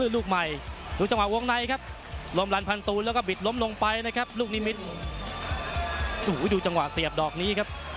ดูจังหวะเสียบดอกนี้ครับ